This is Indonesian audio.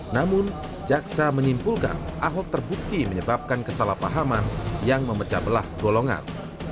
namun jaksa menyimpulkan ahok terbukti menyebabkan kesalahpahaman yang memecah belah golongan